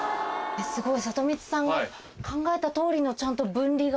すごい。